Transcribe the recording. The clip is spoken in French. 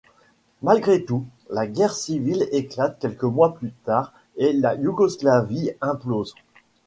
Malgré tout, la guerre civile éclate quelques mois plus tard et la Yougoslavie implose.